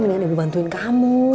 mendingan ibu bantuin kamu